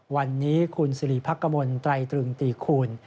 วันนี้คุณสิริพักกมลไตรตรึงตีคูณ